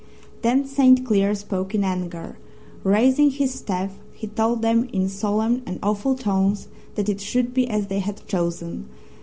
Then St. Cleer spoke in anger. Raising his staff he told them in solemn and awful tones that it should be as they had chosen.